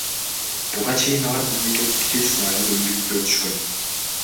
Буга чейин алар мамлекеттик тил сынагынан ийгиликтүү өтүшкөн.